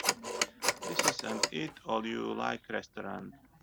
This is an Eat All You Like restaurant.